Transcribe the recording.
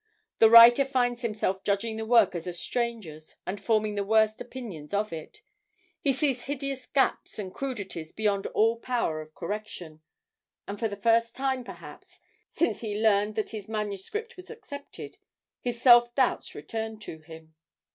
The writer finds himself judging the work as a stranger's, and forming the worst opinions of it. He sees hideous gaps and crudities beyond all power of correction, and for the first time, perhaps, since he learned that his manuscript was accepted, his self doubts return to him.